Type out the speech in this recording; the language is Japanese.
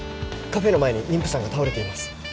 カフェの前に妊婦さんが倒れています。